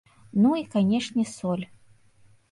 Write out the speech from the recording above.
Ну, і, канешне, соль.